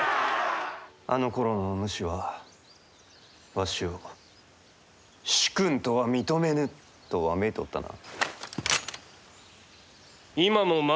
あのころのお主はわしを「主君とは認めぬ」とわめいておったな。